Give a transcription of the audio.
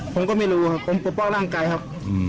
ผมก็ไม่รู้ครับผมปกป้องร่างกายครับ